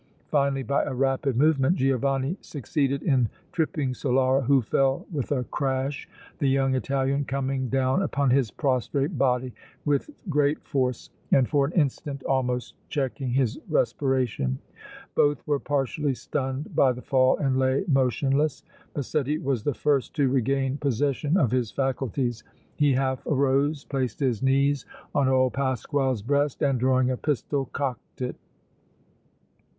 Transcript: Finally by a rapid movement Giovanni succeeded in tripping Solara, who fell with a crash, the young Italian coming down upon his prostrate body with great force and for an instant almost checking his respiration. Both were partially stunned by the fall and lay motionless. Massetti was the first to regain possession of his faculties. He half arose, placed his knees on old Pasquale's breast and, drawing a pistol, cocked it.